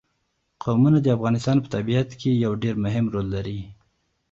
قومونه د افغانستان په طبیعت کې یو ډېر مهم رول لري.